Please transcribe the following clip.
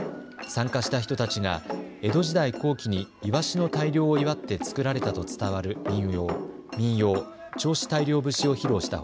参加した人たちが江戸時代後期にイワシの大漁を祝って作られたと伝わる民謡、銚子大漁節を披露した